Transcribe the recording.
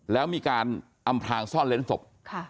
แล้วมีการอำพลางซ่อนเล้นศพ